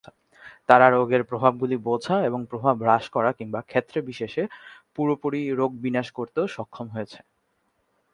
তারা রোগের প্রভাবগুলি বোঝা এবং প্রভাব হ্রাস করা কিংবা ক্ষেত্রে বিশেষে পুরোপুরি রোগ বিনাশ করতেও সক্ষম হয়েছে।